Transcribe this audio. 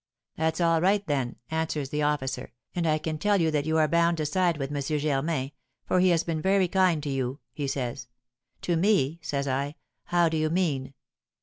'That's all right, then,' answers the officer; 'and I can tell you that you are bound to side with M. Germain, for he has been very kind to you,' he says. 'To me?' says I; 'how do you mean?'